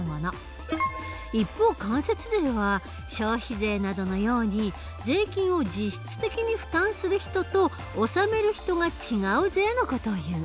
一方間接税は消費税などのように税金を実質的に負担する人と納める人が違う税の事をいう。